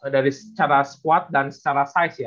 dari secara squad dan secara size ya